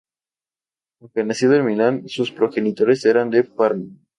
Aunque nacido en Milán, sus progenitores eran de Parma.